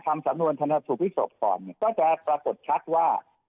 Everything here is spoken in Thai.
ทำสำนวนธนสูตรพลิกศพก่อนเนี่ยก็จะปรากฏชัดว่า